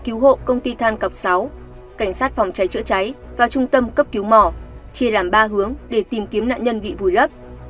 cứu hộ công ty than cọc sáu cảnh sát phòng cháy chữa cháy và trung tâm cấp cứu mỏ chia làm ba hướng để tìm kiếm nạn nhân bị vùi lấp